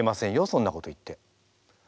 そんなこと言って。